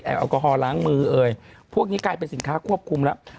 แอลกอฮอลล้างมือเอ่ยพวกนี้กลายเป็นสินค้าควบคุมแล้ว